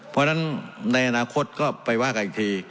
เพราะฉะนั้นในอนาคตก็ไปว่ากันอีกที